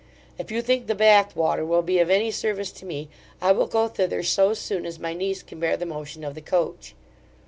If you think the Bath water will be of any service to me, I will go thither so soon as my niece can bear the motion of the coach.